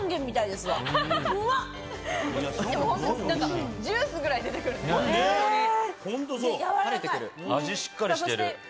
味がしっかりしている。